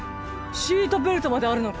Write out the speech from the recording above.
シートベルトまであるのか？